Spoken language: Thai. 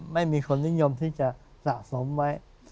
ไม่มีคนนิยมที่จะสะสมไว้